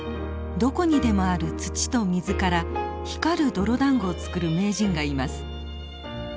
どこにでもある土と水から光る泥だんごを作る名人がいます。